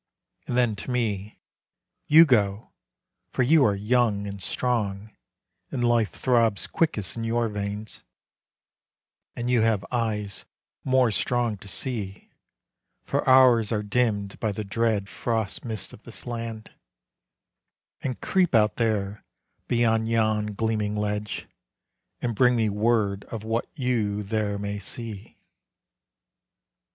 And then to me, "You go, for you are young And strong, and life throbs quickest in your veins, And you have eyes more strong to see, for ours Are dimmed by the dread frost mists of this land; And creep out there beyond yon gleaming ledge, And bring me word of what you there may see.